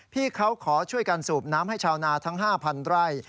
พี่เขาขอช่วยกันสูบน้ำให้ชาวนาทั้ง๕๐๐ไร่